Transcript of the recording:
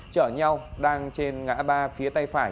chở nhau đang trên ngã ba phía tay phải